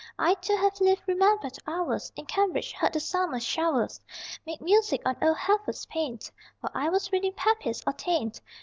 I too have lived remembered hours In Cambridge; heard the summer showers Make music on old Heffer's pane While I was reading Pepys or Taine.